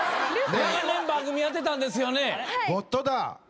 長年番組やってたんですよね？